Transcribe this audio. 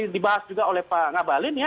dibahas juga oleh pak ngabalin ya